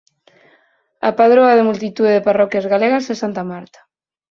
A padroa de multitude de parroquias galegas é Santa Marta.